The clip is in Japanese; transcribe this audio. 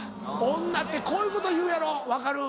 女ってこういうこと言うやろ分かる。